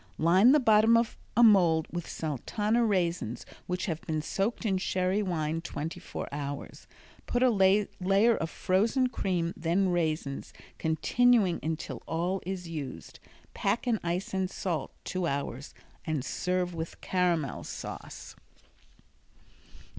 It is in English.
Line the bottom of a mold with Sultana raisins which have been soaked in sherry wine twenty four hours. Put a layer of frozen cream, then raisins, continuing until all is used. Pack in ice and salt two hours and serve with caramel sauce.